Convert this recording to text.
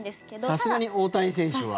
さすがに大谷選手は。